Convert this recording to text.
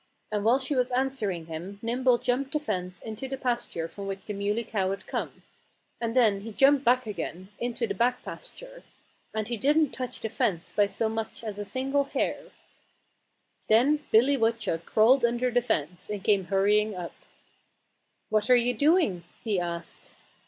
And while she was answering him Nimble jumped the fence into the pasture from which the Muley Cow had come; and then he jumped back again, into the back pasture. And he didn't touch the fence by so much as a single hair. Then Billy Woodchuck crawled under the fence and came hurrying up. "What are you doing?" he asked.